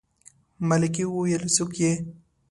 ملکې وويلې څوک يې.